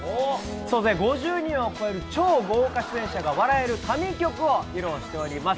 総勢５０人を超える超豪華出演者が笑える神曲を披露しています。